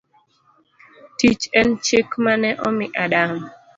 Tich en chik mane omi Adam.